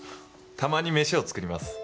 たまに飯を作ります。